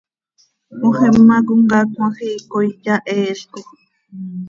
Moxima comcaac cmajiic coi yaheeelcoj.